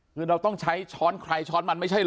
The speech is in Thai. คือเราต้องใช้ช้อนใครช้อนมันไม่ใช่เหรอ